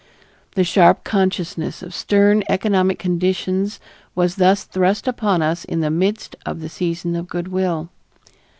The sharp consciousness of stern economic conditions was thus thrust upon us in the midst of the season of good will.